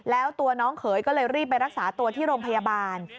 แล้วตัวน้องเขยก็เลยรีบไปรักษาตัวที่โรงพยาบาล